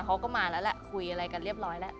เขาก็มาแล้วแหละคุยอะไรกันเรียบร้อยแล้ว